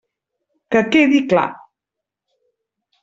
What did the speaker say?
Que quedi clar.